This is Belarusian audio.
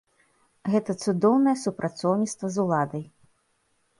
Гэта цудоўнае супрацоўніцтва з уладай.